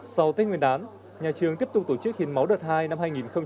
sau tết nguyên đán nhà trường tiếp tục tổ chức hiến máu đợt hai năm hai nghìn hai mươi